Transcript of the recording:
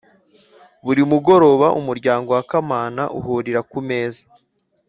buri mugoroba umuryango wa kamana uhurira ku meza,